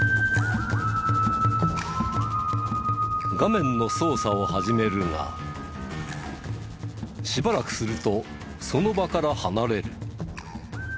画面の操作を始めるがしばらくするとその場から離れる。